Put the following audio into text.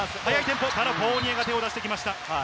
フォーニエが手を出してきました。